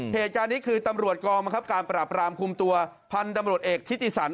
เผจานี้คือตำรวจกรมาครับการประปรามคุมตัวพันธุ์ตำรวจเอกทิศติศัลพ์